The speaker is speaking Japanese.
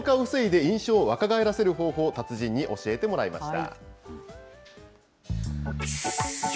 きょうは老化を防いで、印象を若返らせる方法を達人に教えてもらいました。